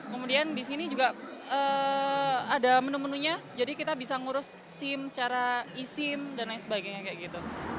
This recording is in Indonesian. kemudian di sini juga ada menu menunya jadi kita bisa ngurus sim secara e sim dan lain sebagainya kayak gitu